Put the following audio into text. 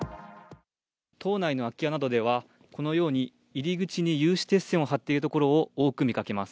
島内の空き家などでは、このように入り口に有刺鉄線を張っている所を多く見かけます。